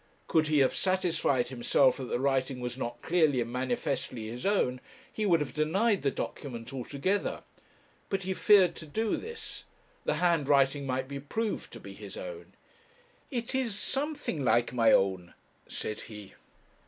Could he have satisfied himself that the writing was not clearly and manifestly his own, he would have denied the document altogether; but he feared to do this; the handwriting might be proved to be his own. 'It is something like my own,' said he.